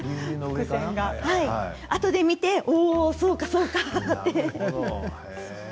あとで見ておお、そうかそうかって。